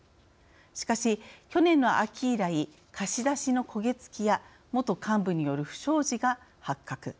しかし、去年の秋以来貸し出しの焦げ付きや元幹部による不祥事が発覚。